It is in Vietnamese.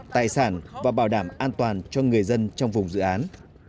tài sản và bảo đảm an toàn cho người dân trong vùng dự án